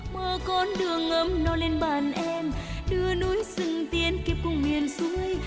mơ con đường ấm no lên bàn em đưa núi sừng tiên kịp cùng miền xuôi